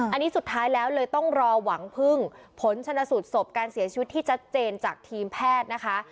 อันนี้สุดท้ายแล้วเลยต้องรอหวังพึ่งผลชนสูตรศพการเสียชีวิตที่ชัดเจนจากทีมแพทย์นะคะ